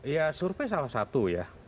ya survei salah satu ya